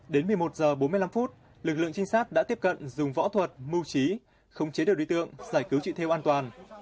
đến một mươi một h bốn mươi năm phút lực lượng trinh sát đã tiếp cận dùng võ thuật mưu trí không chế được đối tượng giải cứu chị theo an toàn